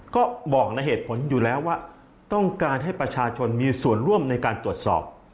ก็บอกในเหตุผลอยู่แล้วว่าต้องการให้ประชาชนมีส่วนร่วมในการตรวจสอบ